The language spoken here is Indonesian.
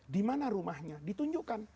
dimana rumahnya ditunjukkan